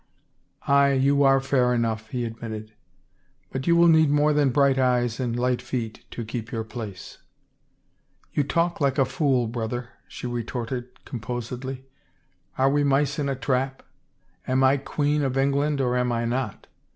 " Aye, you are fair enough," he admitted. " But you will need more than bright eyes and light feet to keep your place." " You talk like a fool, brother," she retorted com posedly. " Are we mice in a trap ? Am I Queen of England or am I not?